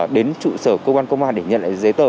đến trụ sở cơ quan công an để nhận lại giấy tờ